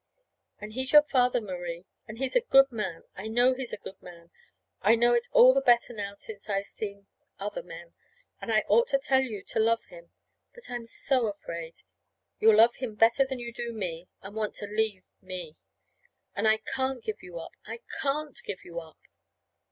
And he's your father, Marie. And he's a good man. I know he's a good man. I know it all the better now since I've seen other men. And I ought to tell you to love him. But I'm so afraid you'll love him better than you do me, and want to leave me. And I can't give you up! I can't give you up!"